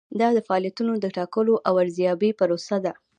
دا د فعالیتونو د ټاکلو او ارزیابۍ پروسه ده.